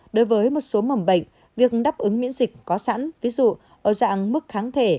đối với một số mầm bệnh việc đáp ứng miễn dịch có sẵn ví dụ ở dạng mức kháng thể